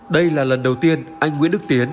đây là lần đầu tiên anh nguyễn đức tiến